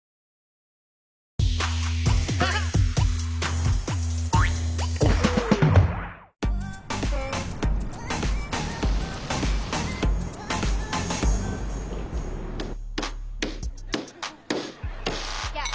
はい。